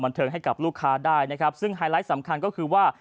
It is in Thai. เทิงให้กับลูกค้าได้นะครับซึ่งไฮไลท์สำคัญก็คือว่า